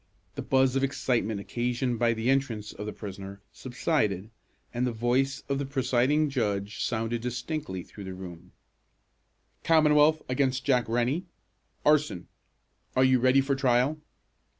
The buzz of excitement, occasioned by the entrance of the prisoner, subsided, and the voice of the presiding judge sounded distinctly through the room: "Commonwealth against Jack Rennie. Arson. Are you ready for trial?"